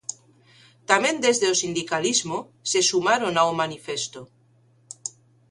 Tamén desde o sindicalismo se sumaron ao manifesto.